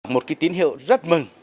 một cái tín hiệu rất mừng